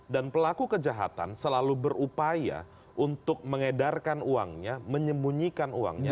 dan pelaku kejahatan selalu berupaya untuk mengedarkan uangnya menyemunyikan uangnya